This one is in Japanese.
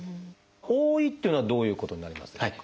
多いっていうのはどういうことになりますでしょうか？